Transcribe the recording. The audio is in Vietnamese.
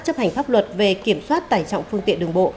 chấp hành pháp luật về kiểm soát tải trọng phương tiện đường bộ